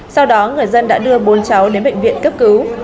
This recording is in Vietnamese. sau đó người dân đã đưa bốn cháu đến bệnh viện cấp cứu